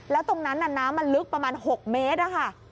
แล้วตรงนั้นน้ำมันลึกประมาณ๖เมตรอะค่ะ